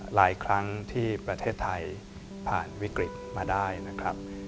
หลายครั้งที่ประเทศไทยผ่านวิกฤตมาได้นะครับ